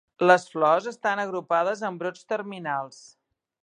Les flors estan agrupades en brots terminals.